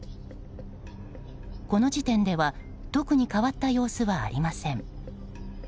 この時点では特に変わった様子はありません。